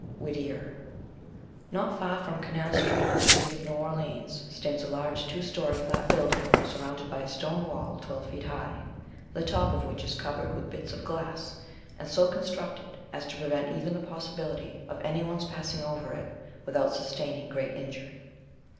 Whittier. NOT far from Canal street, in the city of New Orleans, stands a large two story flat building surrounded by a stone wall twelve feet high, the top of which is covered with bits of glass, and so constructed as to prevent even the possibility of any one's passing over it without sustaining great injury.